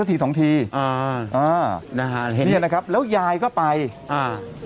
ทีสองทีอ่าอ่านะฮะเนี้ยนะครับแล้วยายก็ไปอ่า